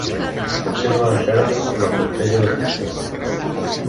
Conserva encara la portella de fusta.